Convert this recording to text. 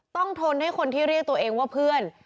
ทนให้คนที่เรียกตัวเองว่าเพื่อน